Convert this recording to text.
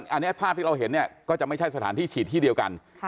อันนี้ภาพที่เราเห็นเนี่ยก็จะไม่ใช่สถานที่ฉีดที่เดียวกัน